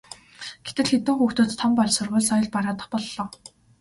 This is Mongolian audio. гэтэл хэдэн хүүхдүүд том болж сургууль соёл бараадах боллоо.